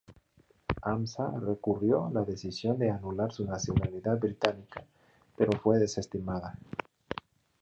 Hamza recurrió la decisión de anular su nacionalidad británica, pero fue desestimada.